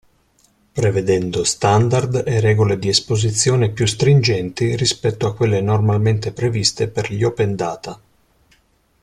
Prevedendo standard e regole di esposizione più stringenti rispetto a quelle normalmente previste per gli Open Data.